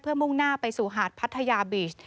มุ่งหน้าไปสู่หาดพัทยาบีช